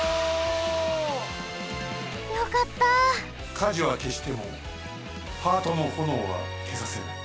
火事はけしてもハートのほのおはけさせない。